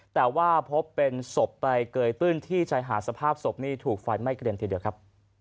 แต่ว่าพบเป็นศพไปเกยตื้นที่ชายหาดสภาพศพนี่ถูกไฟไหม้เกรียมทีเดียวครับ